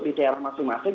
di daerah masing masing